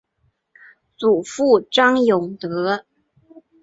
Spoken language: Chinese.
祖父张永德。